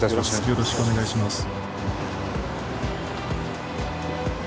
よろしくお願いします。